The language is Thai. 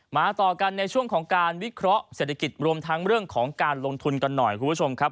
มาต่อกันในช่วงของการวิเคราะห์เศรษฐกิจรวมทั้งเรื่องของการลงทุนกันหน่อยคุณผู้ชมครับ